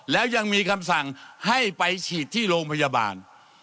แล้วยังมีคำสั่งให้ไปฉีดที่โรงพยาบาล